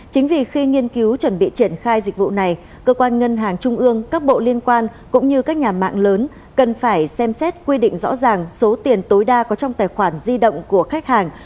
chính vì khi nghiên cứu chuẩn bị triển khai dịch vụ này cơ quan ngân hàng trung ương các bộ liên quan cũng như các nhà mạng lớn cần phải xem xét quy định rõ ràng số tiền tối đa có trong tài khoản di động của khách hàng